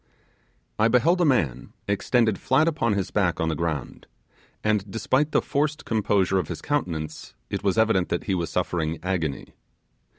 I beheld a man extended flat upon his back on the ground, and, despite the forced composure of his countenance, it was evident that he was suffering agony.